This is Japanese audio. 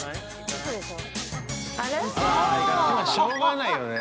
しょうがないよね。